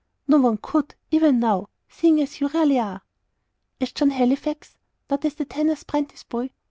"No one could, even now, seeing you as you really are." "As John Halifax, not as the tanner's 'prentice boy?